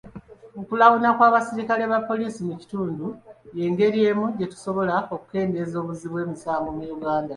Okulawuna kw'abaserikale ba poliisi mu kitundu y'engeri emu gye tusobola okukendeeza obuzzi bw'emisango mu Uganda.